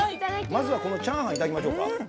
まずチャーハンいただきましょう。